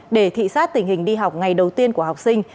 để thị sát tình hình đi học ngày đầu tiên của học sinh